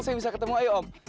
saya bisa ketemu io om